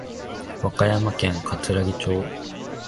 和歌山県かつらぎ町